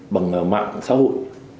bằng mạng xã hội